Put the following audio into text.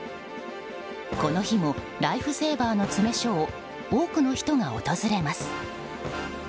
この日もライフセーバーの詰め所を多くの人が訪れます。